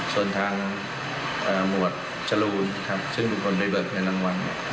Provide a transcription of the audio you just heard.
ส่วนทางหมวดจรูนซึ่งปุคคลไปเบิกของทางหวัน